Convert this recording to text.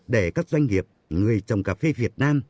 để các doanh nghiệp người trồng cà phê việt nam